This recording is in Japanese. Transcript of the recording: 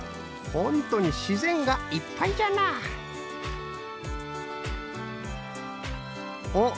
ほんとに自然がいっぱいじゃなおっ？